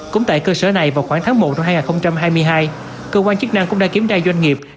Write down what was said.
cũng tại cơ sở này vào khoảng tháng một năm hai nghìn hai mươi hai cơ quan chức năng cũng đã kiểm tra doanh nghiệp